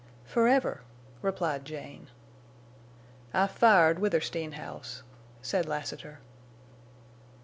"Forever," replied Jane. "I fired Withersteen House," said Lassiter.